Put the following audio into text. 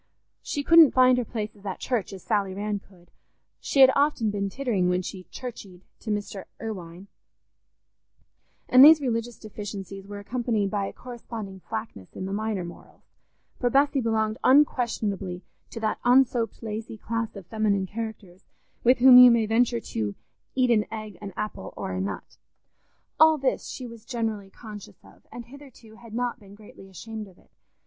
She couldn't find her places at church as Sally Rann could, she had often been tittering when she "curcheyed" to Mr. Irwine; and these religious deficiencies were accompanied by a corresponding slackness in the minor morals, for Bessy belonged unquestionably to that unsoaped lazy class of feminine characters with whom you may venture to "eat an egg, an apple, or a nut." All this she was generally conscious of, and hitherto had not been greatly ashamed of it.